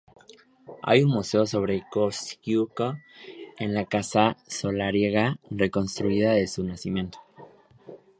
Hay un museo sobre Kościuszko en la casa solariega reconstruida de su nacimiento.